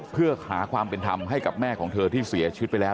เพื่อหาความเป็นธรรมให้กับแม่ของเธอที่เสียชีวิตไปแล้ว